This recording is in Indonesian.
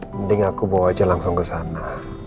mending aku bawa aja langsung ke sana